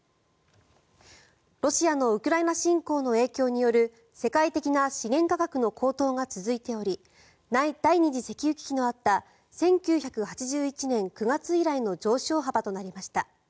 ロシアのウクライナ侵攻の影響による世界的な資源価格の高騰が続いており第２次石油危機のあった１９８１年９月以来の上昇幅となりました。